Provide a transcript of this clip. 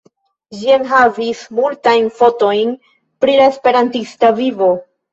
Ĝi enhavis multajn fotojn pri la Esperantista vivo.